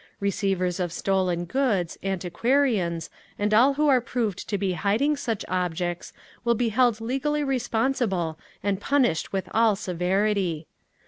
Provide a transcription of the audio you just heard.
"Receivers of stolen goods, antiquarians, and all who are proved to be hiding such objects will be held legally responsible and punished with all severity.